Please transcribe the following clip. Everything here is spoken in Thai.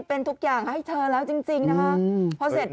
เป็นทุกอย่างให้เธอแล้วจริงนะคะ